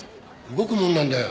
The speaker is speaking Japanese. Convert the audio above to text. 動くもんなんだよ